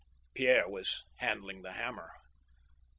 Pierre was handling the hammer.